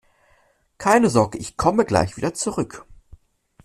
Keine Sorge, ich komme gleich wieder zurück!